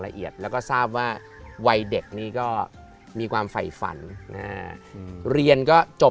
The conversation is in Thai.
ละเอียดแล้วก็ทราบว่าวัยเด็กนี้ก็มีความไฝฝันเรียนก็จบ